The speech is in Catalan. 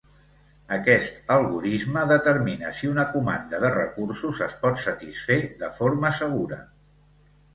Aquest algorisme determina si una comanda de recursos es pot satisfer de forma segura.